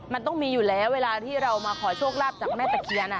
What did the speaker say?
มันต้องมีอยู่แล้วเวลาที่เรามาขอโชคลาภจากแม่ตะเคียน